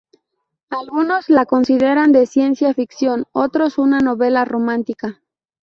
Algunos la consideran de ciencia ficción, otros una novela romántica.